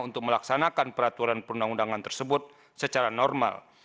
untuk melaksanakan peraturan perundangan tersebut secara normal